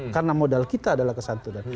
karena modal kita adalah kesantunan